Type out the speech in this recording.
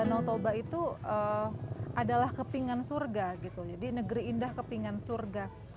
danau toba itu adalah kepingan surga gitu jadi negeri indah kepingan surga